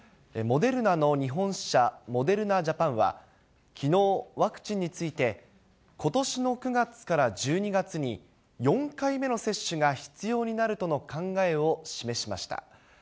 モデルナの日本支社モデルナ・ジャパンは、きのう、ワクチンについて、ことしの９月から１２月に、４回目の接種が必要になるとの考えを示しました。